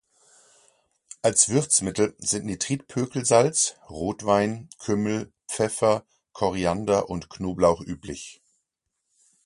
Als Würzmittel sind Nitritpökelsalz, Rotwein, Kümmel, Pfeffer, Koriander und Knoblauch üblich.